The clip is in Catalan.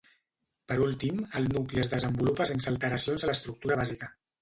Per últim, el nucli es desenvolupa sense alteracions a l'estructura bàsica.